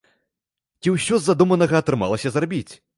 Ці ўсё з задуманага атрымалася зрабіць?